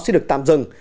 xin được tạm dừng